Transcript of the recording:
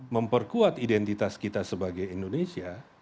memperkuat identitas kita sebagai indonesia